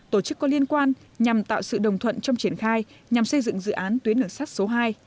tổ chức có liên quan nhằm tạo sự đồng thuận trong triển khai nhằm xây dựng dự án tuyến đường sắt số hai